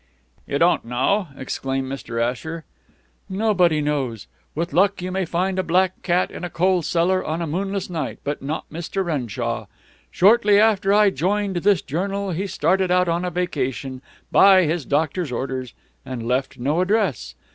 "You don't know!" exclaimed Mr. Asher. "Nobody knows. With luck you may find a black cat in a coal cellar on a moonless night, but not Mr. Renshaw. Shortly after I joined this journal, he started out on a vacation, by his doctor's orders, and left no address.